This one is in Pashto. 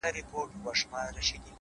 ستا خيال وفكر او يو څو خـــبـــري؛